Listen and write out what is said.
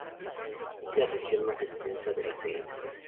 Es la región más extensa de las seis.